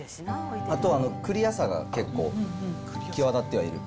あと、クリアさが結構、際立ってはいる。